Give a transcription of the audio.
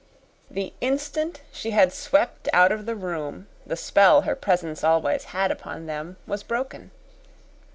The instant she had swept out of the room the spell her presence always had upon them was broken.